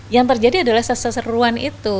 yang terjadi adalah seseruan itu